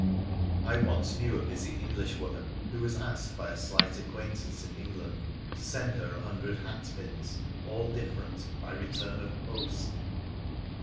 I once knew a busy Englishwoman who was asked by a slight acquaintance in England to send her a hundred hatpins, all different^ by return of post